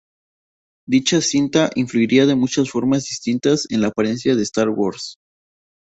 Dicha cinta influiría de muchas formas distintas en la apariencia de "Star Wars".